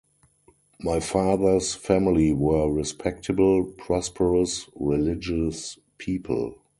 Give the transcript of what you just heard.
My father's family were respectable, prosperous, religious people.